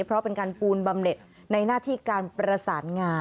เพราะเป็นการปูนบำเน็ตในหน้าที่การประสานงาน